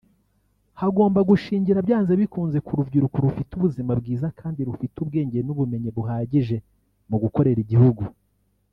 hagomba gushingira byanze bikunze ku rubyiruko rufite ubuzima bwiza kandi rufite ubwenge n’ubumenyi buhagije mu gukorera igihugu